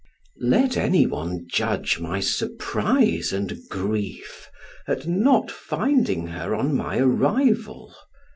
Let any one judge my surprise and grief at not finding her on my arrival.